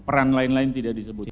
peran lain lain tidak disebutkan